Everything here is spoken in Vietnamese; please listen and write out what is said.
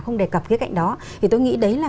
không đề cập cái cạnh đó thì tôi nghĩ đấy là